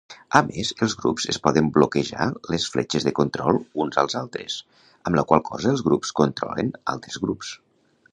A més, els grups es poden "bloquejar" les fletxes de control uns als altres, amb la qual cosa els grups controlen altres grups.